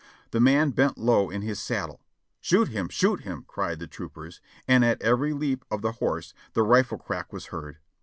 The man bent low in his saddle. "Shoot him ! Shoot him !" cried the troopers, and at every leap of the horse the rifle crack was heard.